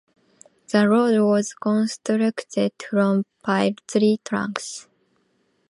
The road was constructed of palm tree trunks.